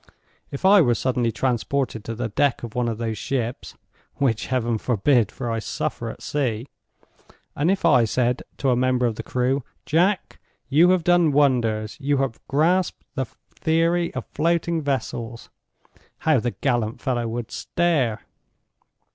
If I were suddenly transported to the deck of one of those ships (which Heaven forbid, for I suffer at sea); and if I said to a member of the crew: 'Jack! you have done wonders; you have grasped the Theory of Floating Vessels'—how the gallant fellow would stare!